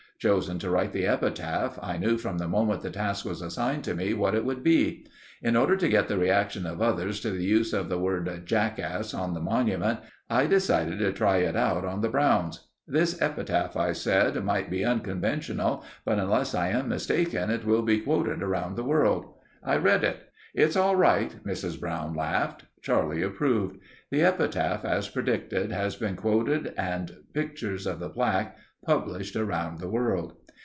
Chosen to write the epitaph, I knew from the moment the task was assigned to me what it would be. In order to get the reaction of others to the use of the word "jackass" on the monument, I decided to try it out on the Browns. "This epitaph," I said, "may be unconventional, but unless I am mistaken it will be quoted around the world." I read it. "It's all right," Mrs. Brown laughed. Charlie approved. The epitaph, as predicted has been quoted and pictures of the plaque published around the world.